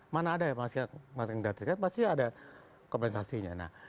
mana ada ya masing masing data pasti ada kompensasinya